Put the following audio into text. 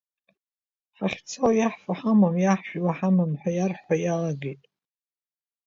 Ҳахьцо иаҳфо ҳамам, иаҳжәуа ҳамам, ҳәа иарҳәо иалагеит.